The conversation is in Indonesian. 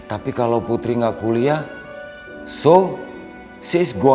taking udah mustang dari tafcktuk